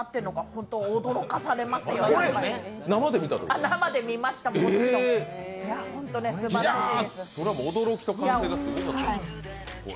本当、すばらしい。